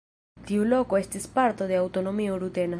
Tiu loko estis parto de aŭtonomio rutena.